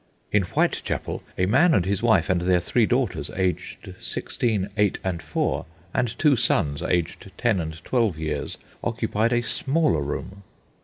In Whitechapel a man and his wife and their three daughters, aged sixteen, eight, and four, and two sons, aged ten and twelve years, occupied a smaller room.